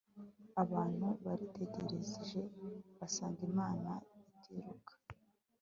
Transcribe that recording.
abantu baritegereje basanga imana itiruka